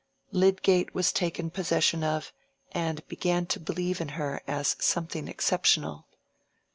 Lydgate was taken possession of, and began to believe in her as something exceptional.